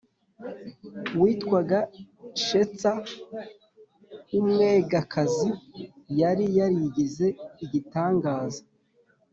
witwaga Shetsa w umwegakazi yari yarigize igitangaza